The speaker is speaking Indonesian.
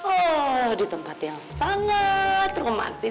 oh di tempat yang sangat romantis